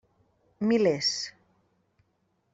Milers.